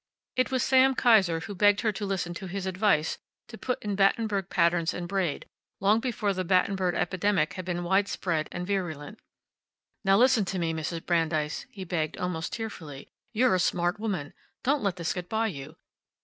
It was Sam Kiser who had begged her to listen to his advice to put in Battenberg patterns and braid, long before the Battenberg epidemic had become widespread and virulent. "Now listen to me, Mrs. Brandeis," he begged, almost tearfully. "You're a smart woman. Don't let this get by you.